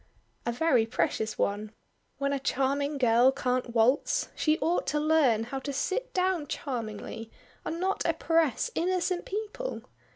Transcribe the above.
"A very precious one. When a charming girl can't waltz, she ought to learn how to sit down charmingly, and not oppress innocent people.